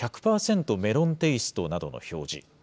メロンテイストなどの表示。